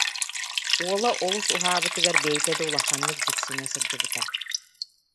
Уола олус уһаабытыгар бэйэтэ да улаханнык дьиксинэ сылдьыбыта